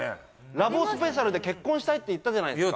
ラブ男スペシャルで「結婚したい」って言ったじゃないですか？